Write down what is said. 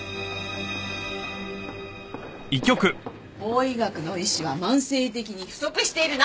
法医学の医師は慢性的に不足している。